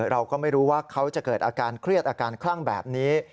เราก็ไม่รู้ว่าเขาจะเกิดอาการเครียดอาการคลั่งแบบนี้